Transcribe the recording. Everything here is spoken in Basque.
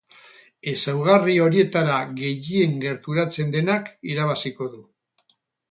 Ezaugarri horietara gehien gerturatzen denak irabaziko du.